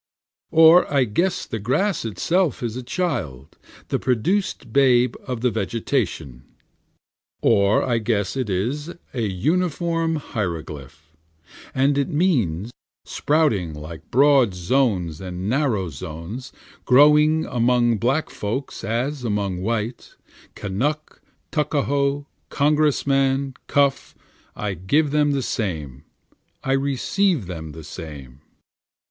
Or I guess the grass is itself a child, the produced babe of the vegetation. Or I guess it is a uniform hieroglyphic, And it means, Sprouting alike in broad zones and narrow zones, Growing among black folks as among white, Kanuck, Tuckahoe, Congressman, Cuff, I give them the same, I receive them the same.